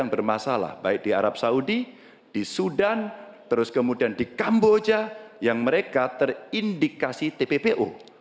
yang bermasalah baik di arab saudi di sudan terus kemudian di kamboja yang mereka terindikasi tppo